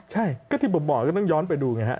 ใช่ก็ที่ผมบอกก็ต้องย้อนไปดูไงฮะ